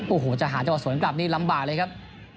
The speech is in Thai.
โอ้โหจะหาจังหวะสวนกลับนี่ลำบากเลยครับ